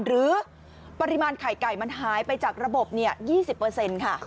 หรือปริมาณไข่ไก่มันหายไปจากระบบ๒๐ค่ะ